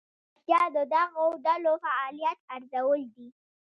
دا اړتیا د دغو ډلو فعالیت ارزول دي.